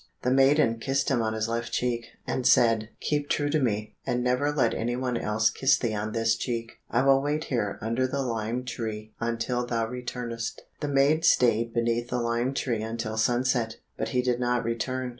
The maiden kissed him on his left cheek, and said, "Keep true to me, and never let any one else kiss thee on this cheek. I will wait here under the lime tree until thou returnest." The maid stayed beneath the lime tree until sunset, but he did not return.